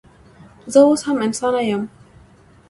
زه اوس هم انسانه یم